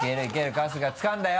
春日つかんだよ。